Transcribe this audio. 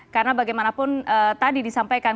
karena bagaimanapun tadi disampaikan